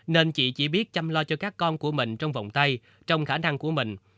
nên chị chỉ biết chăm lo cho các con của mình trong vòng tay trong khả năng của mình